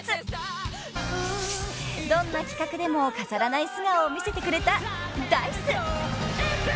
［どんな企画でも飾らない素顔を見せてくれたＤａ−ｉＣＥ］